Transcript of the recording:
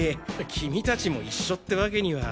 キミたちも一緒ってわけには。